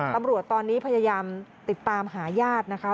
ตำรวจตอนนี้พยายามติดตามหาญาตินะคะ